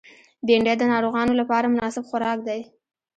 بېنډۍ د ناروغانو لپاره مناسب خوراک دی